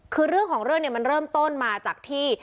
คือเรื่องของเรื่องเนี่ยมันเริ่มต้นมาจากที่